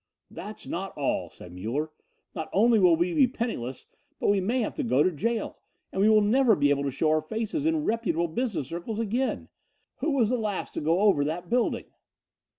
"That is not all," said Muller: "not only will we be penniless, but we may have to go to jail and we will never be able to show our faces in reputable business circles again. Who was the last to go over that building?"